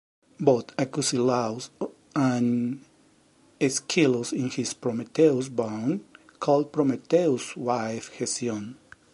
Both Acusilaus and Aeschylus in his "Prometheus Bound" call Prometheus' wife Hesione.